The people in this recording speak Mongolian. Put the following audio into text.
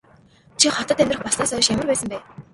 Чи хотод амьдрах болсноосоо хойш ямар байсан бэ?